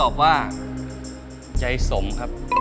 กิเลนพยองครับ